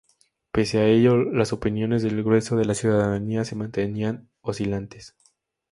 Pese a ello, las opiniones del grueso de la ciudadana se mantenían oscilantes.